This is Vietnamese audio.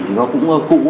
nó cũng cũ